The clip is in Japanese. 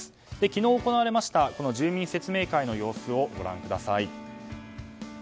昨日行われました住民説明会の様子をご覧ください。